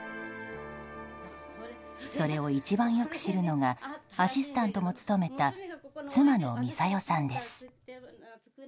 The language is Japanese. それを一番よく知るのがアシスタントも務めた妻のミサヨさんです。